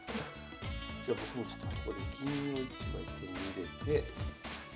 じゃ僕もちょっとここで銀を１枚手に入れて。